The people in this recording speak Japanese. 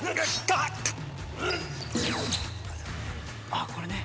あっこれね。